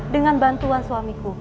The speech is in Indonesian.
dengan bantuan suamiku